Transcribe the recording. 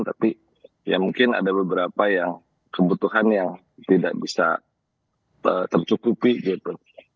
tapi ya mungkin ada beberapa yang kebutuhan yang tidak bisa tercukupi gitu